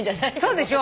そうでしょ。